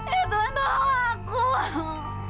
ya tuhan tolong aku